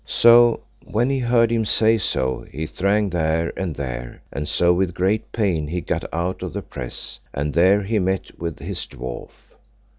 So when he heard him say so he thrang here and there, and so with great pain he gat out of the press, and there he met with his dwarf.